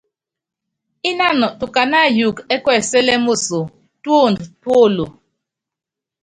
Ínanɔ tukaná ayuukɔ ɛ́ kuɛsɛ́lɛ́ moso, túopdo túolo.